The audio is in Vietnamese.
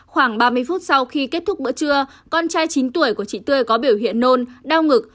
khoảng ba mươi phút sau khi kết thúc bữa trưa con trai chín tuổi của chị tươi có biểu hiện nôn đau ngực